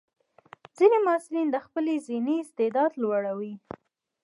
ځینې محصلین د خپل ذهني استعداد لوړوي.